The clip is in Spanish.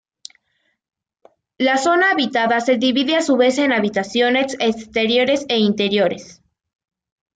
La zona habitada se divide a su vez en habitaciones exteriores e interiores.